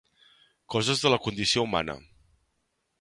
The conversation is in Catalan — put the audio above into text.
Coses de la condició humana.